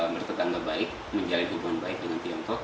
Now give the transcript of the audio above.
bertetangga baik menjalin hubungan baik dengan tiongkok